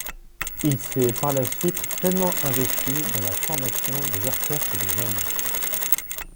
Il s’est par la suite pleinement investi dans la formation des orchestres de jeunes.